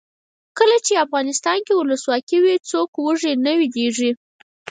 کله چې افغانستان کې ولسواکي وي څوک وږی نه ویدېږي.